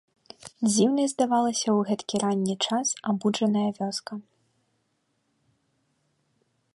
Дзіўнай здавалася ў гэткі ранні час абуджаная вёска.